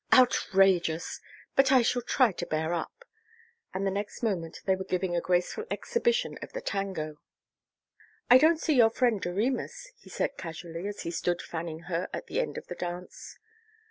"Outrageous, but I shall try to bear up," and the next moment they were giving a graceful exhibition of the tango. "I don't see your friend Doremus," he said casually, as he stood fanning her at the end of the dance.